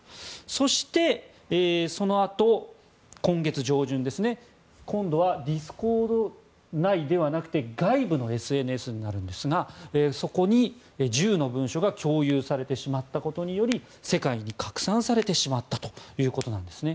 そして、そのあと今月上旬ですね今度はディスコード内ではなくて外部のＳＮＳになるんですがそこに１０の文書が共有されてしまったことにより世界に拡散されてしまったということなんです。